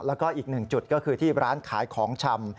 แล้วก็อีกหนึ่งจุดก็คือที่ร้านขายของชำ